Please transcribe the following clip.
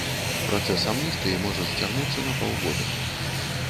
Працэс амністыі можа зацягнуцца на паўгода.